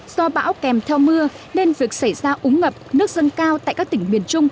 do bão kèm theo mưa nên việc xảy ra úng ngập nước dâng cao tại các tỉnh miền trung